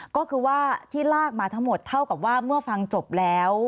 ก็คือว่าที่ลากมาทั้งหมดเท่ากับว่าเมื่อฟังจบแล้ว